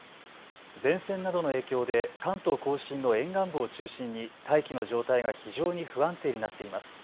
前線などの影響で関東甲信の沿岸部を中心に大気の状態が非常に不安定になっています。